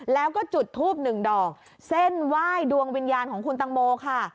แล้วก็จุดทูบหนึ่งดอกเส้นไหว้ดวงวิญญาณของคุณตังโมค่ะ